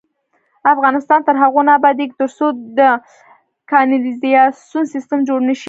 افغانستان تر هغو نه ابادیږي، ترڅو د کانالیزاسیون سیستم جوړ نشي.